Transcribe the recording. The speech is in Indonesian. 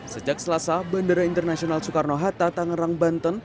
sejak selasa bandara internasional soekarno hatta tangerang banten